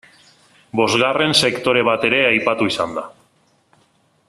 Bosgarren sektore bat ere aipatu izan da.